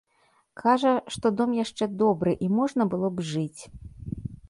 Кажа, што дом яшчэ добры і можна было б жыць.